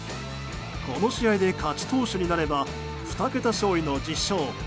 この試合で勝ち投手になれば２桁勝利の１０勝。